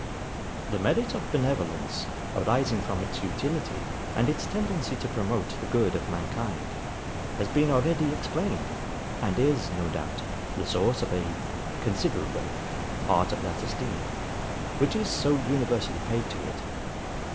The merit of benevolence, arising from its utility, and its tendency to promote the good of mankind has been already explained, and is, no doubt, the source of a CONSIDERABLE part of that esteem, which is so universally paid to it.